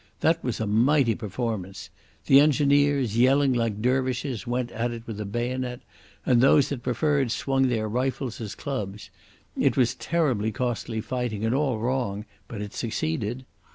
That was a mighty performance. The engineers, yelling like dervishes, went at it with the bayonet, and those that preferred swung their rifles as clubs. It was terribly costly fighting and all wrong, but it succeeded.